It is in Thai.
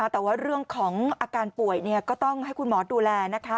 แต่ว่าเรื่องของอาการป่วยก็ต้องให้คุณหมอดูแลนะคะ